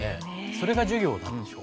それが授業なんですよ。